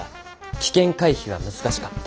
危険回避は難しかった。